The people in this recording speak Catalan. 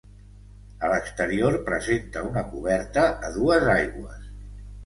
A l'exterior presenta una coberta a dues aigües.